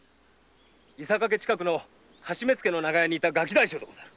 伊坂家近くの徒目付の長屋にいたガキ大将でござる。